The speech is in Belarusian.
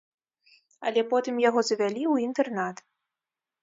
Але потым яго завялі ў інтэрнат.